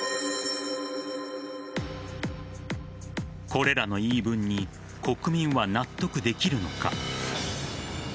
これらの言い分に国民は納得できるのか。